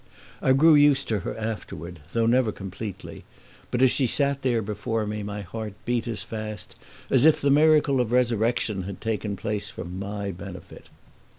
I grew used to her afterward, though never completely; but as she sat there before me my heart beat as fast as if the miracle of resurrection had taken place for my benefit.